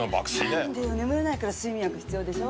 なんでよ眠れないから睡眠薬必要でしょ？